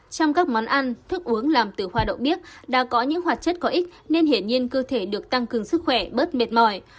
trong các món ăn thức uống làm từ hoa đậu điếc đã có những hoạt chất có ích nên hiển nhiên cơ thể được tăng cường sức khỏe bớt mệt mỏi